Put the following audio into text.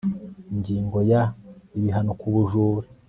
Ingingo ya Ibihano ku bujura